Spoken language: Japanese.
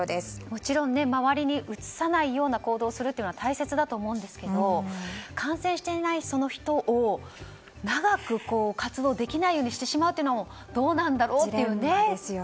もちろん周りにうつさないような行動をすることは大切だと思うんですけど感染していない人を長く活動できないようにしてしまうというのもどうなんだろうという。